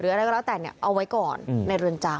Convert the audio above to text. อะไรก็แล้วแต่เนี่ยเอาไว้ก่อนในเรือนจำ